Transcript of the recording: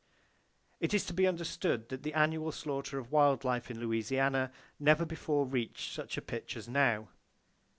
It is to be understood that the annual slaughter of wild life in Louisiana never before reached such a pitch as now.